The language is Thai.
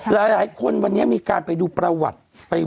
หลายคนวันนี้มีการไปดูประวัติ